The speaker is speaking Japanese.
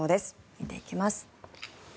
見ていきます。